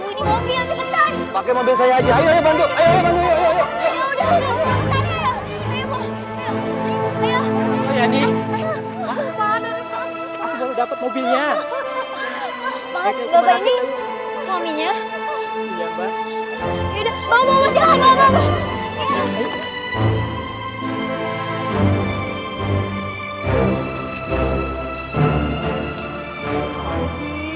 mobil cepetan pakai mobil saya aja aja bantu bantu aja ya udah udah mau dapet mobilnya ini